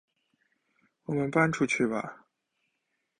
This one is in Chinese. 我们搬出去吧